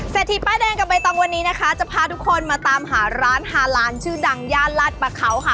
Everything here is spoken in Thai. เศรษฐีป้ายดังกลับไปตอนวันนี้นะคะจะพาทุกคนมาตามหาร้านหาร้านชื่อดังยาลัดประเขาค่ะ